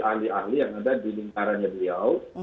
ahli ahli yang ada di lingkarannya beliau